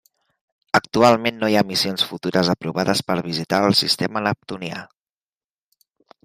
Actualment no hi ha missions futures aprovades per visitar el sistema neptunià.